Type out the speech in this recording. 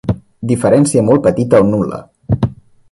Diferència molt petita o nul·la.